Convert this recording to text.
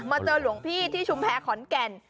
เจอหลวงพี่ที่ชุมแพรขอนแก่น